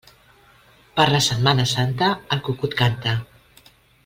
Per la Setmana Santa, el cucut canta.